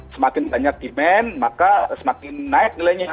semakin banyak demand maka semakin naik nilainya